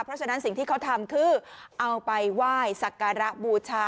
เพราะฉะนั้นสิ่งที่เขาทำคือเอาไปไหว้สักการะบูชา